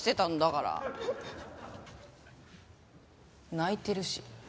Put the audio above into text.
泣いてるし。